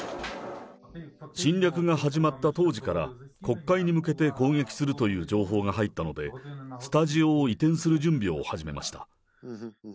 侵略が始まった当時から、国会に向けて攻撃するという情報が入ったので、スタジオを移転する準備を始めました。